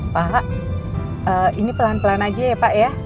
pak ini pelan pelan aja ya pak ya